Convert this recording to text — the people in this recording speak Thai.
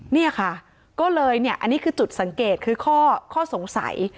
เนี่ยค่ะก็เลยเนี่ยอันนี้คือจุดสังเกตคือข้อสงสัย